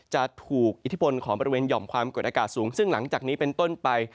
จะถูกอิทธิพลของบริเวณหย่อมความกดอากาศสูงซึ่งหลังจากนี้เป็นต้นไป